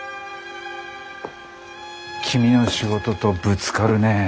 君の仕事とぶつかるねえ。